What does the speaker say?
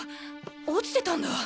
落ちてたんだ。